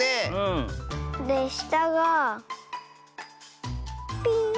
でしたがピン。